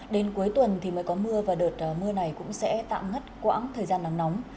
đến cuối tuần thì mới có mưa và đợt mưa này cũng sẽ tạm ngất quãng thời gian nắng nóng